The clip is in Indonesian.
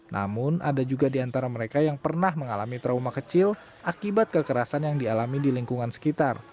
namun ada juga di antara mereka yang pernah mengalami trauma kecil akibat kekerasan yang dialami di lingkungan sekitar